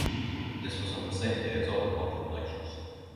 This was on the same day as other local elections.